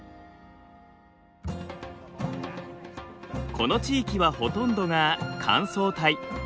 この地域はほとんどが乾燥帯。